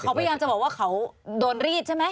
เขาพยายามจะบอกว่าเขาโดนรีดใช่ไหม